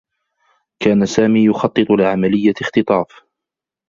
كان سامي يخطّط لعمليّة اختطاف.